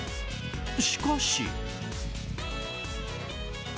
しかし。